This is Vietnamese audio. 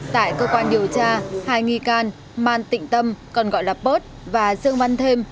tại cơ quan điều tra hai nghi can man tịnh tâm còn gọi là pot và dương văn thêm